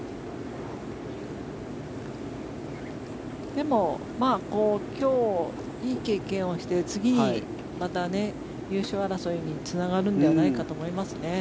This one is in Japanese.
でも、今日いい経験をして次にまた優勝争いにつながるのではないかと思いますね。